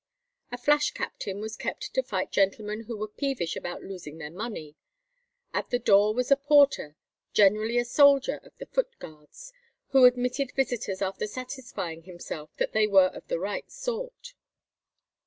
A flash captain was kept to fight gentlemen who were peevish about losing their money; at the door was a porter, "generally a soldier of the foot guards,"[259:1] who admitted visitors after satisfying himself that they were of the right sort.